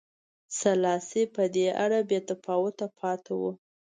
سلاسي په دې اړه بې تفاوته پاتې و.